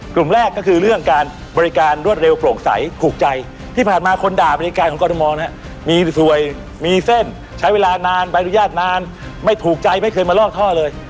กลุ่มแรกก็คือเรื่องการบริการรวดเร็วโปร่งใสถูกใจที่ผ่านมาคนด่าบริการของกรทมมีสวยมีเส้นใช้เวลานานใบอนุญาตนานไม่ถูกใจไม่เคยมาลอกท่อเลย